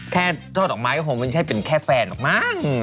แค่ชอดอกไม้เค้าหงวววมันดึงให้เป็นแค่แฟนหรอกมั้ง